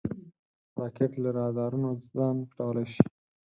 راکټ له رادارونو ځان پټولی شي